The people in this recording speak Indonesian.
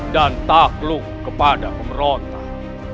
dan takluk kepada pemerintah